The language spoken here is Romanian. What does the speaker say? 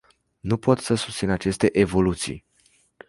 Nu pot să susțin aceste evoluții.